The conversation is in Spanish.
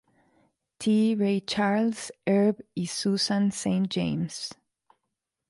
T, Ray Charles, Herb y Susan Saint James.